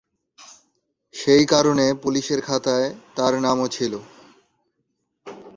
সেই কারণে পুলিশের খাতায় তার নামও ছিল।